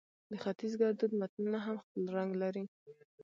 د ختیز ګړدود متلونه هم خپل رنګ لري